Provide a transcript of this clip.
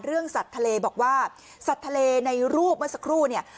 สัตว์ทะเลบอกว่าสัตว์ทะเลในรูปเมื่อสักครู่เนี่ย